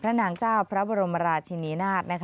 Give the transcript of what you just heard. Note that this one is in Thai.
นางเจ้าพระบรมราชินีนาฏ